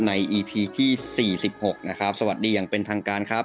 ในที่สี่สิบหกนะครับสวัสดีอย่างเป็นทางการครับ